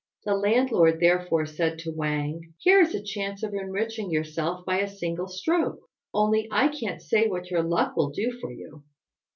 The landlord therefore said to Wang, "Here is a chance of enriching yourself by a single stroke; only I can't say what your luck will do for you."